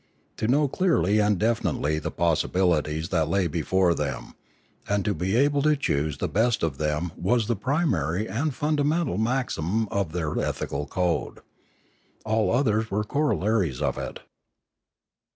To know clearly and definitely the possibilities that lay Ethics 599 before them, and to be able to choose the best of them was the primary and fundamental maxim of their ethi cal code. All others were corollaries of it.